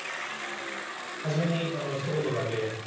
初めにひと言だけ。